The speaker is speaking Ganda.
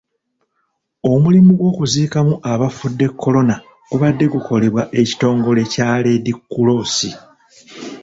Omulimu gw'okuziika abafudde korona gubadde gukolebwa ekitongole kya Reedi Kkuloosi .